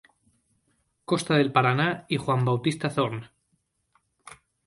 Costa del Paraná y Juan bautista Thorne.